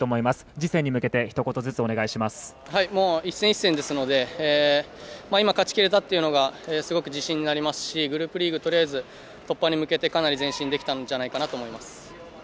次戦に向けて一戦一戦ですので今、勝ちきれたというのがすごく自信になりますしグループリーグとりあえず突破に向けてかなり前進できたんじゃないかなと思います。